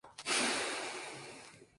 El "cantus firmus" es cantado por la soprano.